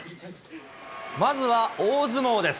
まずは、大相撲です。